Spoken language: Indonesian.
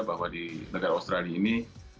bahwa di negara australia ini